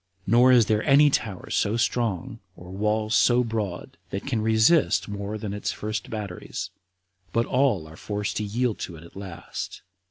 Nor is there any tower so strong, or walls so broad, that can resist any more than its first batteries, but all are forced to yield to it at last.